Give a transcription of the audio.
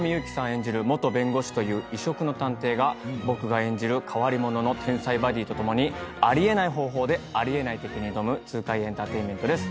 演じる元弁護士という異色の探偵が僕が演じる変わり者の天才バディーと共にあり得ない方法であり得ない敵に挑む痛快エンターテインメントです。